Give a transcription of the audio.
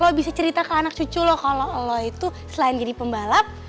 kalau bisa cerita ke anak cucu lo kalau lo itu selain jadi pembalap